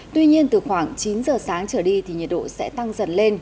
tuy nhiên từ khoảng chín giờ sáng trở đi thì nhiệt độ sẽ tăng dần lên